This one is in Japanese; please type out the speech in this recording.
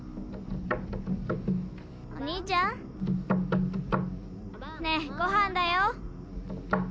お兄ちゃん？ねえごはんだよ。